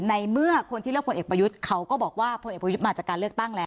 ในเมื่อคนที่เลือกพลเอกประยุทธ์เขาก็บอกว่าพลเอกประยุทธ์มาจากการเลือกตั้งแล้ว